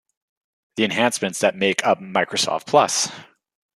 The enhancements that make up Microsoft Plus!